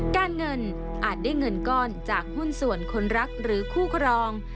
การเงินอาจได้เงินก้อนจากหุ้นส่วนคนรักหรือคู่ครอง